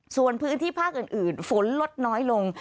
ส่วนพื้นที่ภาคอื่นฝนลดน้อยลง